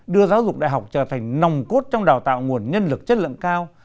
đưa giáo dục đại học trở thành nòng cốt trong đào tạo nguồn nhân lực chất lượng cao